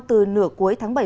từ nửa cuối tháng một mươi